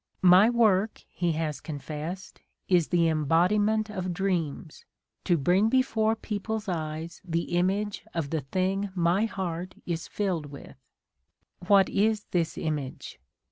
My work," he has confessed, ''is the embodiment of dreams, — to bring before people's eyes the image of the thing my heart is filled with." ... What is this image